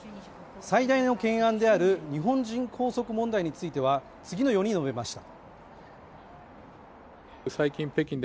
最大の懸案である日本人拘束問題については、次のように述べました